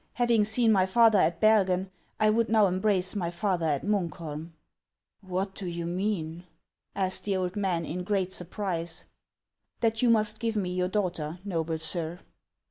Having seen my father at Bergen, I would now embrace my father at Munkholm." •' What do you mean ?" asked the old man. in great surprise. " That you must give me your daughter, noble sir."